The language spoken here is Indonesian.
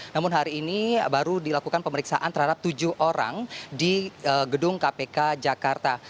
namun hari ini baru dilakukan pemeriksaan terhadap tujuh orang di gedung kpk jakarta